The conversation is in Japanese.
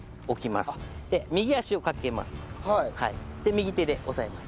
右手で押さえます。